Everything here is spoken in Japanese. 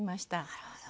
なるほど。